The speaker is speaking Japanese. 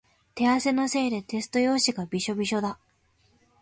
手汗のせいでテスト用紙がびしょびしょだ。